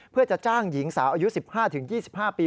เพื่อจะจ้างหญิงสาวอายุ๑๕๒๕ปี